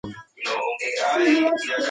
سړی باید په دې جامو کې له حیا کار اخیستی وای.